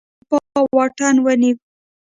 لوېدیځې اروپا واټن ونیو.